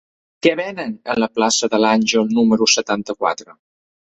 Què venen a la plaça de l'Àngel número setanta-quatre?